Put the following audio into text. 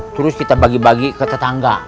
terus kita bagi bagi ke tetangga